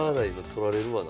取られるわな